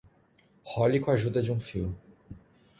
Role com a ajuda de um fio.